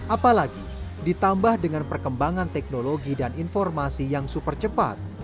apalagi ditambah dengan perkembangan teknologi dan informasi yang super cepat